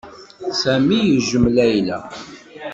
Sami yejjem Layla.